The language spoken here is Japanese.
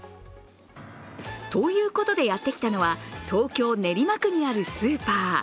ということでやってきたのは東京・練馬区にあるスーパー。